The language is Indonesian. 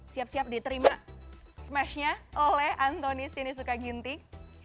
siap siap diterima smashnya oleh antonis sini sukagintik